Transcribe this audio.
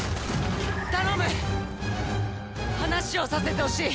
頼む話をさせてほしい！